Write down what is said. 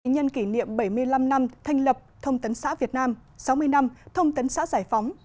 nhân kỷ niệm bảy mươi năm năm thành lập thông tấn xã việt nam sáu mươi năm thông tấn xã giải phóng